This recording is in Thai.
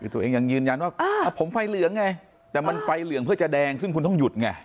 คือตัวเองยังยืนยันว่าผมไฟเหลืองไงแต่มันไฟเหลืองเพื่อจะแดงซึ่งคุณต้องหยุดไง